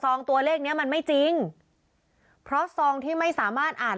ตัวเลขเนี้ยมันไม่จริงเพราะซองที่ไม่สามารถอ่าน